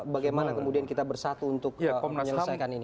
bagaimana kemudian kita bersatu untuk menyelesaikan ini